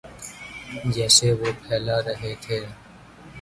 جسے وہ پھیلا رہے تھے۔